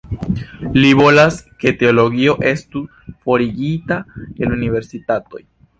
Li volas, ke teologio estu forigita el universitatoj.